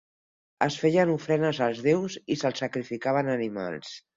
Es feien ofrenes als déus i se'ls sacrificaven animals.